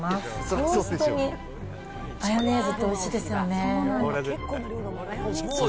トーストにマヨネーズっておいしいですよね。